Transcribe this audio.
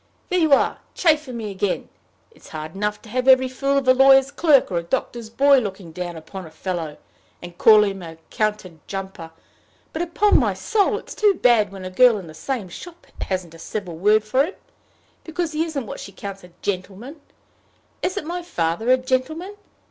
"There you are, chaffing me again! It's hard enough to have every fool of a lawyer's clerk, or a doctor's boy, looking down upon a fellow, and calling him a counter jumper; but, upon my soul, it's too bad when a girl in the same shop hasn't a civil word for him, because he isn't what she counts a gentleman! Isn't my father a gentleman?